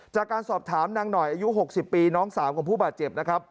จากการสอบถามนางหน่อยอายุ๖๐ปีน้องสาวของผู้บาดเจ็บนะครับ